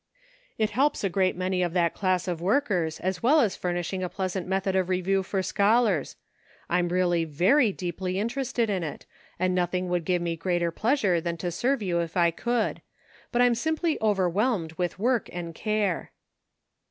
" It helps a great many of that class of workers, as well as furnishing a pleas ant method of review for scholars. I'm really very deeply interested in it, and nothing would give me greater pleasure than to serve you if I could ; but I am simply overwhelmed with work and care."